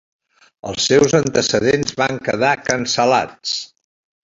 Els seus antecedents van quedar cancel·lats.